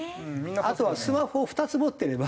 あとはスマホを２つ持ってれば。